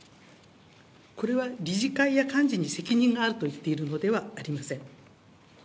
これは理事会やかんじに責任があるといっているのではありません。